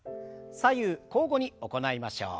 左右交互に行いましょう。